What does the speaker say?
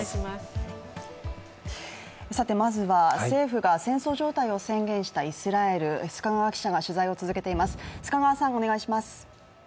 まずは政府が戦争状態を宣言したイスラエル、須賀川記者が取材を続けています。